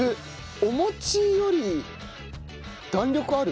お餅より弾力ある。